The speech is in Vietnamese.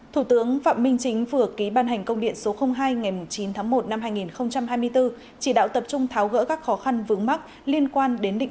thủ tướng phạm minh chính vừa ký ban hành công điện số hai ngày chín tháng một năm hai nghìn hai mươi bốn chỉ đạo tập trung tháo gỡ các khó khăn vướng mắc liên quan đến định